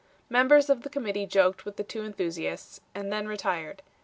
Members of the Committee joked with the two enthusiasts and then retired.